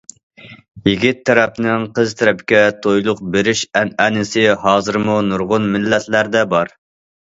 يىگىت تەرەپنىڭ قىز تەرەپكە تويلۇق بېرىش ئەنئەنىسى ھازىرمۇ نۇرغۇن مىللەتلەردە بار.